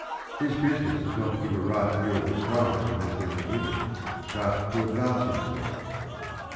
His business is not to give a right view of the crime that has been committed, but to advance himself.